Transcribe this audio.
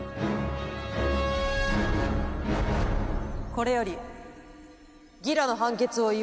これよりギラの判決を言い渡す。